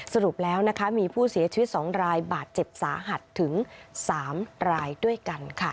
สรุปแล้วนะคะมีผู้เสียชีวิต๒รายบาดเจ็บสาหัสถึง๓รายด้วยกันค่ะ